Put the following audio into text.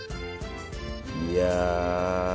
いや。